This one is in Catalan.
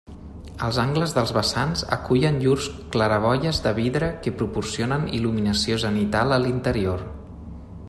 Els angles dels vessants acullen llurs claraboies de vidre que proporcionen il·luminació zenital a l'interior.